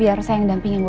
oh yaudah kalau gitu